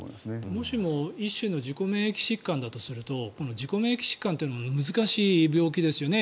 もしも一種の自己免疫疾患だとすると自己免疫疾患というのも難しい病気ですよね。